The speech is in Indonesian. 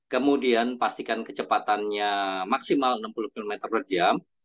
kemudian pastikan kecepatannya maksimal enam puluh km per jam